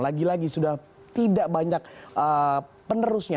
lagi lagi sudah tidak banyak penerusnya